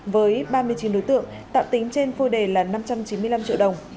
với ba mươi chín đối tượng tạo tính trên phôi đề là năm trăm chín mươi năm triệu đồng